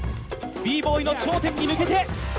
Ｂ−Ｂｏｙの頂点に向けて！